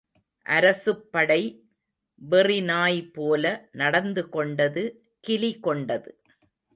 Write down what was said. அரசுப்படை வெறிநாய்போல நடந்துகொண்டது கிலிகொண்டது.